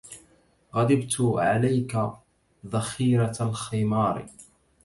غضبت عليك ذخيرة الخمار